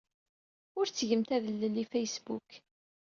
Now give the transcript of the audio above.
Ur ttgemt adellel i Facebook.